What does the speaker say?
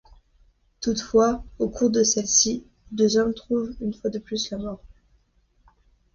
Toutefois au cours de celle-ci deux hommes trouvent une fois de plus la mort.